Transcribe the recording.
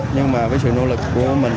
nhưng mà với sự nỗ lực của mình